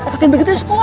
pakin begitu u sekolah